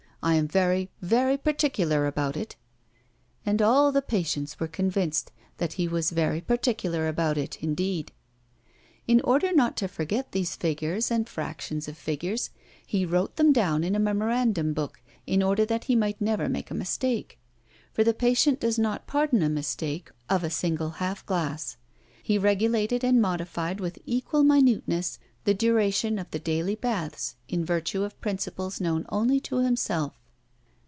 I am very, very particular about it!" And all the patients were convinced that he was very particular about it, indeed. In order not to forget these figures and fractions of figures, he wrote them down in a memorandum book, in order that he might never make a mistake. For the patient does not pardon a mistake of a single half glass. He regulated and modified with equal minuteness the duration of the daily baths in virtue of principles known only to himself.